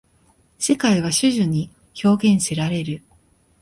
世界は種々に表現せられる。